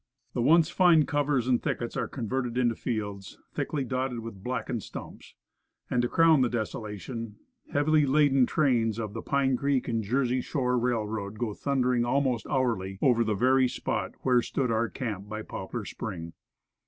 The once fine covers and thickets are con verted into fields thickly dotted with blackened stumps. And, to crown the desolation, heavy laden trains of "The Pine Creek and Jersey Shore R. R." go thundering almost hourly over the very spot where stood our camp by Poplar Spring.